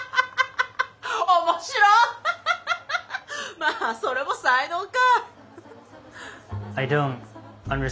まあそれも才能か。